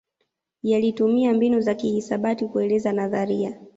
Yalitumia mbinu za kihisabati kueleza nadharia